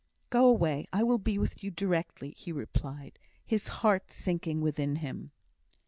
"Go away, I will be with you directly!" he replied, his heart sinking within him.